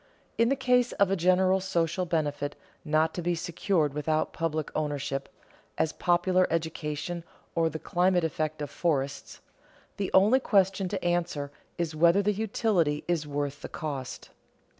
In the case of a general social benefit not to be secured without public ownership, as popular education or the climatic effect of forests, the only question to answer is whether the utility is worth the cost.